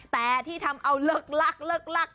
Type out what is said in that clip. แต่ที่ทำเอาเลิกลัก